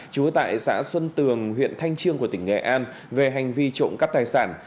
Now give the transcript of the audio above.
trú tại xã xuân tường huyện thanh trương của tỉnh nghệ an về hành vi trộm cắt tài sản